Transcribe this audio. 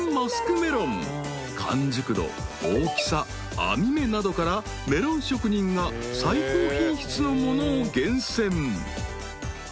［完熟度大きさ網目などからメロン職人が最高品質のものを厳選］